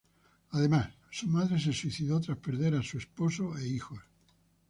Además, su madre se suicidó tras perder a su esposo e hijos.